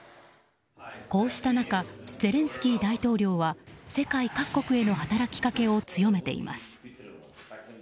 こうした中ゼレンスキー大統領は世界各国への働きかけを強めています。